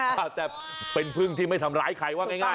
อาจจะเป็นพึ่งที่ไม่ทำร้ายใครว่าง่าย